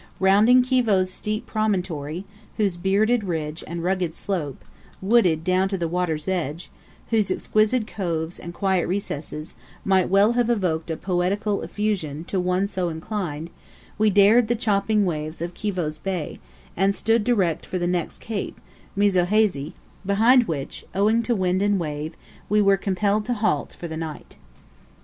Rounding Kivoe's steep promontory, whose bearded ridge and rugged slope, wooded down to the water's edge, whose exquisite coves and quiet recesses, might well have evoked a poetical effusion to one so inclined, we dared the chopping waves of Kivoe's bay, and stood direct for the next cape, Mizohazy, behind which, owing to wind and wave, we were compelled to halt for the night.